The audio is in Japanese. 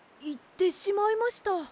いってしまいました。